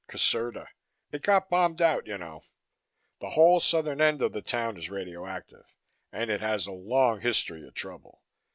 Caserta. It got bombed out, you know; the whole southern end of the town is radioactive. And it has a long history of trouble.